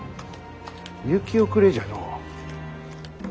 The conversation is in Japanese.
嫁き遅れじゃのう。